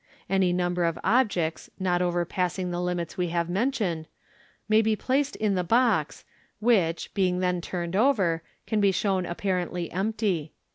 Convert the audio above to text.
Any number of objects, not overpassing the limits we have mentioned, may be placed in the box, which, being then turned over, can be shown apparently empty.